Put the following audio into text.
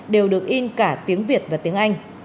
đều được in cả tiếng việt và tiếng anh